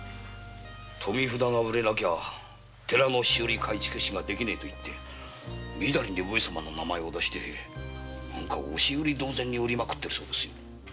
富札が売れなきゃ寺の修理改築費が出来ねえからと言って上様のお名を出して押し売り同然に売りまくってるそうですよ。